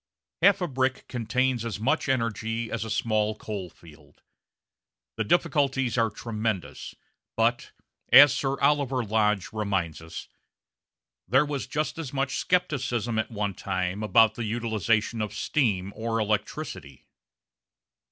Half a brick contains as much energy as a small coal field. The difficulties are tremendous, but, as Sir Oliver Lodge reminds us, there was just as much scepticism at one time about the utilisation of steam or electricity.